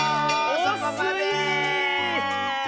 そこまで！